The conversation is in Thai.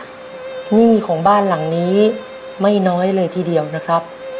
หนี้ของบ้านหลังนี้ไม่น้อยเลยทีเดียวนะครับ